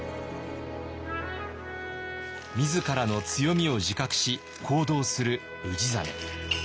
自らの強みを自覚し行動する氏真。